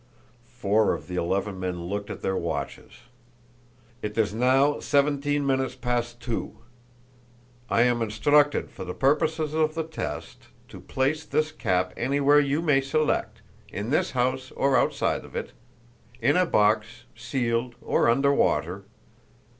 Four of the eleven men looked at their watches. "It is now seventeen minutes past two. I am instructed, for the purposes of the test, to place this cap anywhere you may select in this house or outside of it, in a box, sealed, or under water.